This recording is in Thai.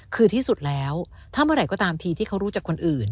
คือที่สุดแล้วถ้าเมื่อไหร่ก็ตามทีที่เขารู้จักคนอื่น